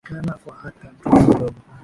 nekana kwa hata mtoto mdogo